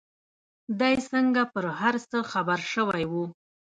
دى څنگه پر هر څه خبر سوى و.